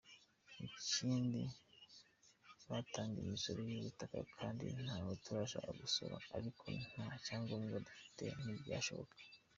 Ikindi batanga imisoro y’ubutaka kandi natwe turashaka gusora ariko nta cyangobwa dufite ntibyashoboka.